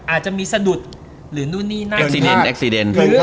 อาจจะมีสนุษฎ์